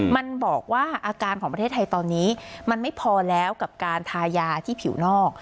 มันบอกว่าอาการของประเทศไทยตอนนี้มันไม่พอแล้วกับการทายาที่ผิวนอก